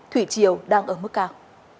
thủy chiều đang mức cao